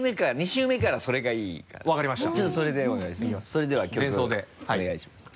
それでは曲お願いします。